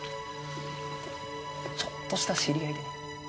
ちょっとした知り合いでね。